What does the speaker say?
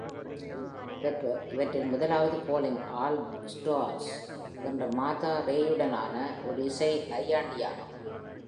இவற்றில் முதலாவது "calling all stars" என்ற மார்தா ரேயுடனான ஒரு இசை நையாண்டியாகும்.